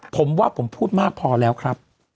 ผมว่าผมพูดมากพอแล้วครับ